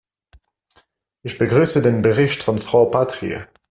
Ich begrüße den Bericht von Frau Patrie.